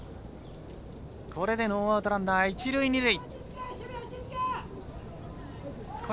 これでノーアウトランナー一塁、二塁。